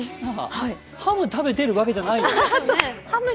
ハム食べてるわけじゃないんですよね。